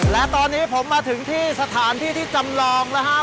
และตอนนี้ผมมาถึงที่สถานที่ที่จำลองนะฮะ